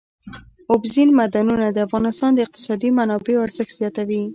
اوبزین معدنونه د افغانستان د اقتصادي منابعو ارزښت زیاتوي.